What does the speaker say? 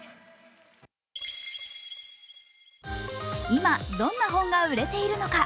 今、どんな本が売れているのか